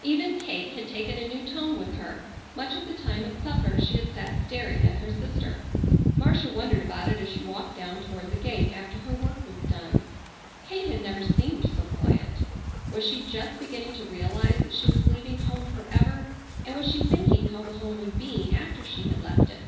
Even Kate had taken a new tone with her. Much of the time at supper she had sat staring at her sister. Marcia wondered about it as she walked down toward the gate after her work was done. Kate had never seemed so quiet. Was she just beginning to realize that she was leaving home forever, and was she thinking how the home would be after she had left it?